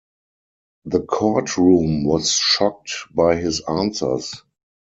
The court room was shocked by his answers.